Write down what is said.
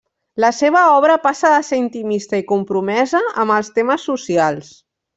La seva obra passa de ser intimista i compromesa amb els temes socials.